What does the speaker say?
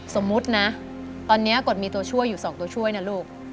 สมมุตินะตอนนี้กฎมีตัวช่วยอยู่๒ตัวช่วยนะลูก